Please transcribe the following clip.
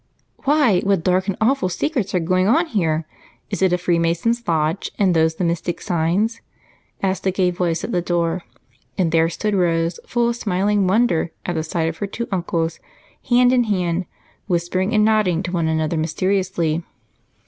"Why, what dark and awful secrets are going on here? Is it a Freemason's Lodge and those the mystic signs?" asked a gay voice at the door; and there stood Rose, full of smiling wonder at the sight of her two uncles hand in hand, whispering and nodding to one another mysteriously.